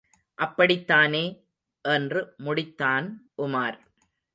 அப்படித்தானே? என்று முடித்தான் உமார்.